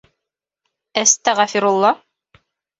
— Әстәғәфирулла!